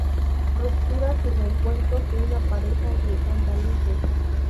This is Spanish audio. Rupturas y reencuentros de una pareja de andaluces.